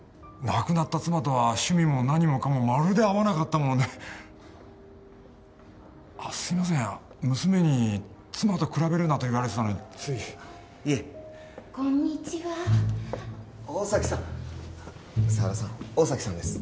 亡くなった妻とは趣味も何もかもまるで合わなかったものであっすいません娘に妻と比べるなと言われてたのについいえこんにちは大崎さん沢田さん大崎さんです